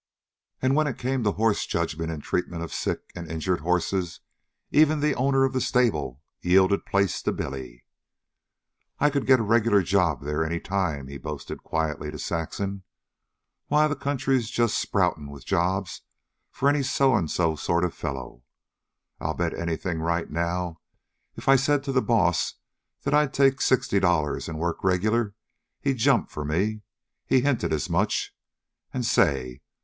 And when it came to horse judgment and treatment of sick and injured horses even the owner of the stable yielded place to Billy. "I could get a regular job there any time," he boasted quietly to Saxon. "Why, the country's just sproutin' with jobs for any so so sort of a fellow. I bet anything, right now, if I said to the boss that I'd take sixty dollars an' work regular, he'd jump for me. He's hinted as much. And, say!